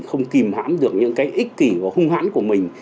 không kìm hãm được những cái ích kỷ và hung hãn của mình